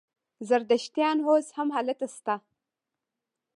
زردشتیان اوس هم هلته شته.